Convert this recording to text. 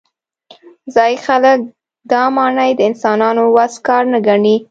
ځايي خلک دا ماڼۍ د انسانانو د وس کار نه ګڼي.